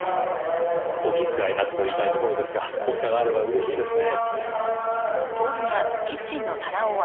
お気遣いなくと言いたいところですが紅茶があれば嬉しいですね。